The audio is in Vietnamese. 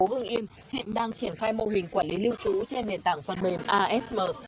hương yên hiện đang triển khai mô hình quản lý lưu trú trên nền tảng phần mềm asm